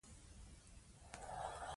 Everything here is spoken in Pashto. هر څوک باید خپل حد وپیژني.